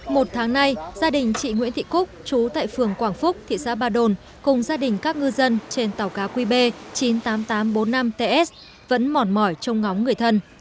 một tháng nay gia đình chị nguyễn thị cúc chú tại phường quảng phúc thị xã ba đồn cùng gia đình các ngư dân trên tàu cá qb chín mươi tám nghìn tám trăm bốn mươi năm ts vẫn mỏn mỏi trong ngóng người thân